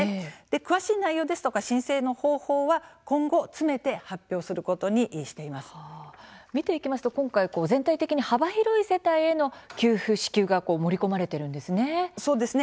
詳しい内容や申請の方法は今後、詰めて発表することに見ていきますと今回は全体的に幅広い世帯への給付支給が盛り込まれているんですね。